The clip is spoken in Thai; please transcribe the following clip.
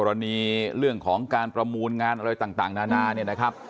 กรณีเรื่องของการประมูลงานอะไรต่างนานาเนี่ยนะครับ